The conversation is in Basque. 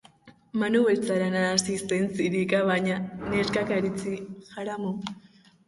Manu beltzarana hasi zen zirika, baina neskak Haritzi jaramon.